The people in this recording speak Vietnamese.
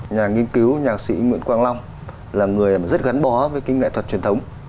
nhà nghiên cứu nhạc sĩ nguyễn quang long là người rất gắn bó với cái nghệ thuật truyền thống